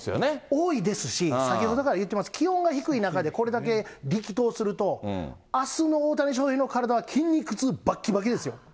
多いですし、先ほどから言ってます、気温が低い中で、これだけ力投すると、あすの大谷翔平の体は筋肉痛ばっきばきですよ。